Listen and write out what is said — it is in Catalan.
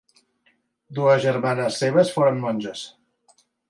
Dues germanes seves foren monges.